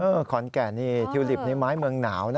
ขอนแก่นนี่ทิวลิปนี้ไม้เมืองหนาวนะ